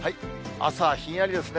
朝、ひんやりですね。